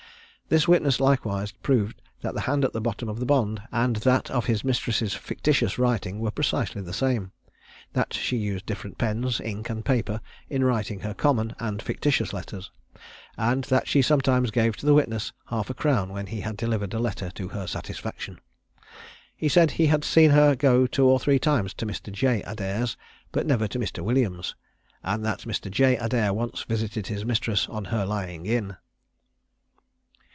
This witness likewise proved that the hand at the bottom of the bond and that of his mistress's fictitious writing were precisely the same; that she used different pens, ink, and paper, in writing her common and fictitious letters; and that she sometimes gave the witness half a crown when he had delivered a letter to her satisfaction. He said he had seen her go two or three times to Mr. J. Adair's, but never to William's; and that Mr. J. Adair once visited his mistress on her lying in.